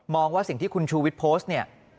ว่าสิ่งที่คุณชูวิทย์โพสต์เนี่ย